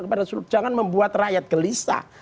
kepada seluruh jangan membuat rakyat gelisah